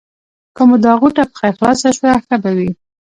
که مو دا غوټه په خیر خلاصه شوه؛ ښه به وي.